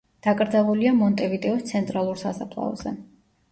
დაკრძალულია მონტევიდეოს ცენტრალურ სასაფლაოზე.